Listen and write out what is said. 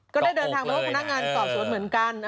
ก็ได้เดินทางไปพบพนักงานสอบสวนเหมือนกัน